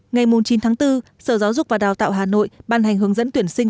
ngày chín tháng bốn sở giáo dục và đào tạo hà nội ban hành hướng dẫn tuyển sinh